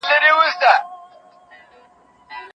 څنګه به مرګیه ستا له شر څخه بېرېږمه